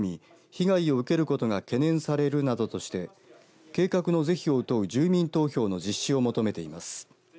被害を受けることが懸念されるなどとして計画の是非を問う住民投票の実施を求めています。